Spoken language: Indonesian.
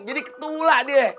jadi ketulak deh